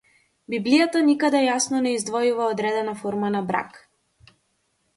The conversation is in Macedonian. Библијата никаде јасно не издвојува одредена форма на брак.